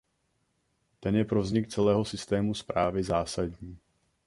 Ten je pro vznik celého systému správy zásadní.